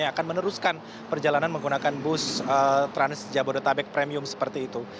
yang akan meneruskan perjalanan menggunakan bus trans jabodetabek premium seperti itu